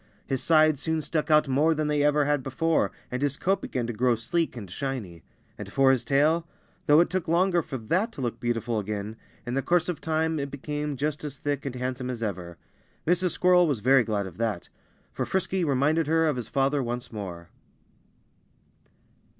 His sides soon stuck out more than they ever had before, and his coat began to grow sleek and shiny. And as for his tail though it took longer for that to look beautiful again, in the course of time it became just as thick and handsome as ever. Mrs. Squirrel was very glad of that. For Frisky reminded her of his father once more.